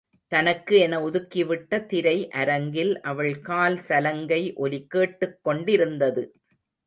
தனக்கு என ஒதுக்கிவிட்ட திரை அரங்கில் அவள் கால் சலங்கை ஒலி கேட்டுக் கொண்டிருந்தது.